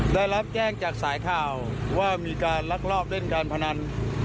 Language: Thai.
ได้รับแจ้งจากสายข่าวว่ามีการลักลอบเล่นการพนัน